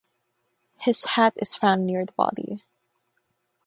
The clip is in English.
His hat is found near the body.